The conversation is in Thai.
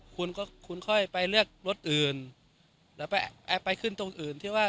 คุณค่อยไปเลือกรถอื่นหรือไปขึ้นตรงอื่น